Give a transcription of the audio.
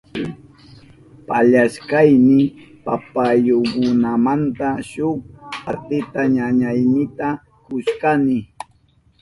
Pallashkayni papayukunamanta shuk partita ñañaynita kushkani.